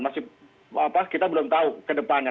masih kita belum tahu ke depannya